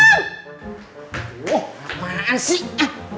kau kemanaan sih